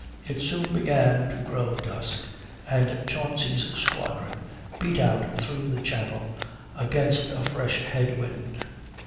It soon began to grow dusk, and Chauncy's squadron beat out through the channel, against a fresh head wind.